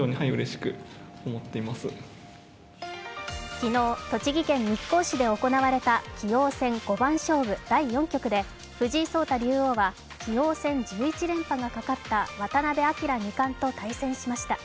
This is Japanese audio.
昨日、栃木県日光市で行われた棋王戦五番勝負第４局で藤井聡太竜王は棋王戦１１連覇がかかった渡辺明二冠と対戦しました。